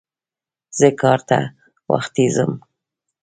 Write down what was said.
زه کار ته وختي ځم.